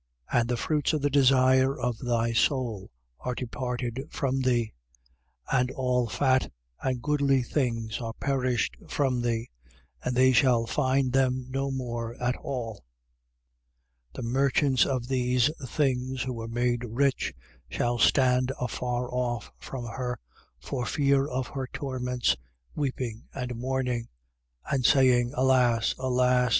And the fruits of the desire of thy soul are departed from thee: and all fat and goodly things are perished from thee. And they shall find them no more at all. 18:15. The merchants of these things, who were made rich, shall stand afar off from her, for fear of her torments, weeping and mourning, 18:16. And saying: Alas! alas!